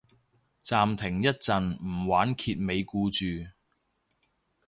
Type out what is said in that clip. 暫停一陣唔玩揭尾故住